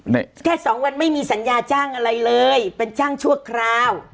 แค่สองวันไม่มีสัญญาจ้างอะไรเลยเป็นจ้างชั่วคราว